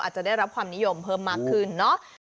จะได้รับความนิยมเพิ่มมากขึ้นเนาะ